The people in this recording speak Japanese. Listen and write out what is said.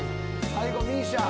最後ＭＩＳＩＡ。